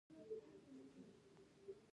د ساندو قبیلې مشرتابه پر حکومتي ادارې بدله شوه.